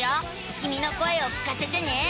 きみの声を聞かせてね。